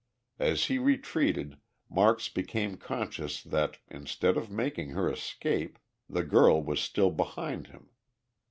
As he retreated, Marks became conscious that instead of making her escape, the girl was still behind him.